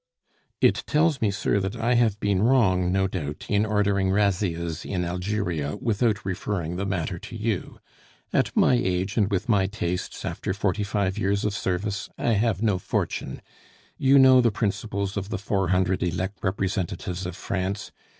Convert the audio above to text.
"It tells me, sir, that I have been wrong, no doubt, in ordering razzias in Algeria without referring the matter to you. At my age, and with my tastes, after forty five years of service, I have no fortune. You know the principles of the four hundred elect representatives of France.